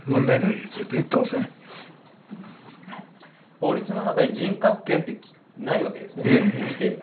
法律の中に人格権ってないわけですね規定が。